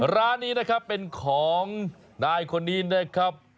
ร้านนี้นะครับเป็นของนายคนนี้นะครับ